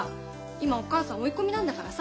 今お母さん追い込みなんだからさ。